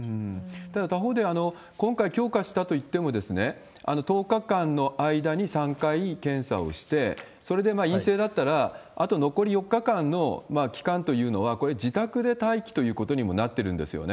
ただ、他方で今回、強化したといっても、１０日間の間に３回検査をして、それで陰性だったら、あと残り４日間の期間というのは、これは自宅で待機ということにもなってるんですよね。